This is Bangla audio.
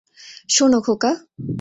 শোনো, খোকা!